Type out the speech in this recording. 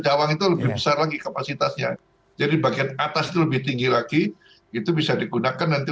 cawang itu lebih besar lagi kapasitasnya jadi bagian atas itu lebih tinggi lagi itu bisa digunakan nanti